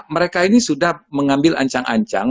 mereka ini sudah mengambil ancang ancang